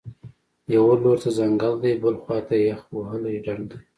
یوه لور ته ځنګل دی، بلې خوا ته یخ وهلی ډنډ دی